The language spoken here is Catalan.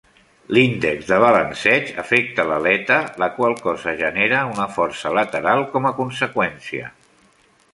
L'índex de balanceig afecta l'aleta, la qual cosa genera una força lateral com a conseqüència.